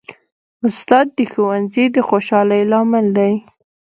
استاد د ښوونځي د خوشحالۍ لامل دی.